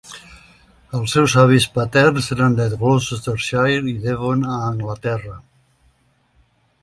Els seus avis paterns eren de Gloucestershire i Devon a Anglaterra.